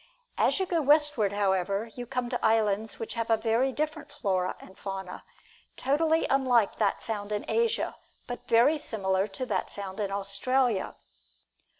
As you go westward, however, you come to islands which have a very different flora and fauna, totally unlike that found in Asia, but very similar to that found in Australia.